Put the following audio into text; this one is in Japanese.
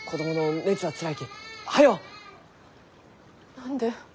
何で？